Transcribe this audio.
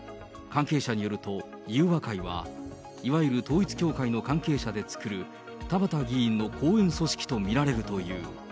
関係者によると、裕和会はいわゆる統一教会の関係者で作る田畑議員の後援組織と見られるという。